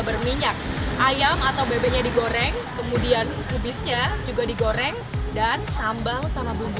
berminyak ayam atau bebeknya digoreng kemudian kubisnya juga digoreng dan sambal sama bumbu